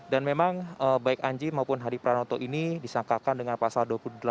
dan memang baik anji maupun hadi pranoto ini disangkakan dengan pasal dua puluh dua